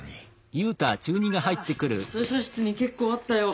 ああ図書室に結構あったよ